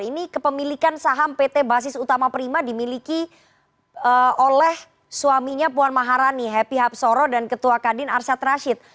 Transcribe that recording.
ini kepemilikan saham pt basis utama prima dimiliki oleh suaminya puan maharani happy hapsoro dan ketua kadin arsyad rashid